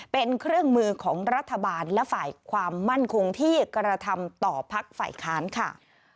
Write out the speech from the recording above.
เป็นเครื่องมือของรัฐบาลและฝ่ายความมั่นคงที่กระทำต่อพักฝ่ายค้านค่ะ